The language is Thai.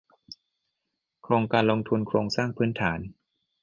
โครงการลงทุนโครงสร้างพื้นฐาน